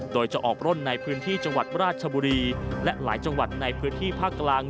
โดยจะออกร่นในพื้นที่จังหวัดราชบุรีและหลายจังหวัดในพื้นที่ภาคกลาง